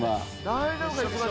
大丈夫か？